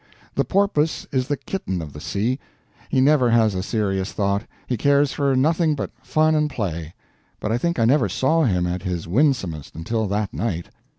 The porpoise is the kitten of the sea; he never has a serious thought, he cares for nothing but fun and play. But I think I never saw him at his winsomest until that night.